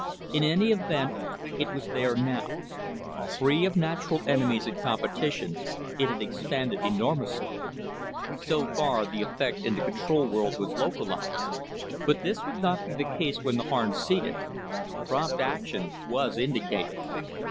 _ _In any event, it was there now. Free of natural enemies and competition, it had expanded enormously. So far, the effect in the control world was localized, but this would not be the case when the Harn seeded. Prompt action was indicated.